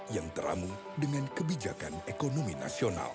yang teramu dengan kebijakan ekonomi nasional